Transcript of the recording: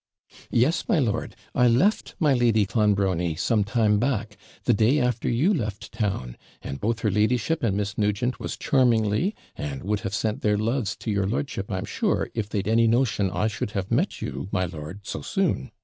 'Yes, my lord! I left my Lady Clonbrony some time back the day after you left town; and both her ladyship and Miss Nugent was charmingly, and would have sent their loves to your lordship, I'm sure, if they'd any notion I should have met you, my lord, so soon.